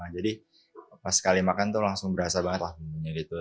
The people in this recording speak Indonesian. pas sekali makan tuh langsung berasa banget lah bumbunya gitu